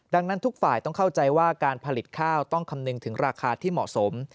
ดังนั้นทุกฝ่ายต้องเข้าใจว่าการผลิตข้าวต้องคำนึงถึงราคาที่เหมาะสม